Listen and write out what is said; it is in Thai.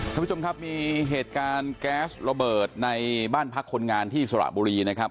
ท่านผู้ชมครับมีเหตุการณ์แก๊สระเบิดในบ้านพักคนงานที่สระบุรีนะครับ